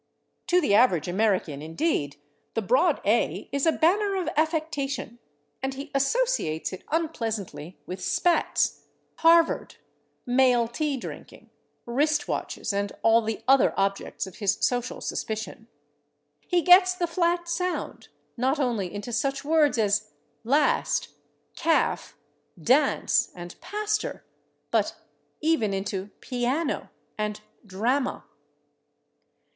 To the average American, indeed, the broad /a/ is a banner of affectation, and he associates it unpleasantly with spats, Harvard, male tea drinking, wrist watches and all the other objects of his social suspicion. He gets the flat sound, not only into such words as /last/, /calf/, /dance/ and /pastor/, but even into /piano/ and /drama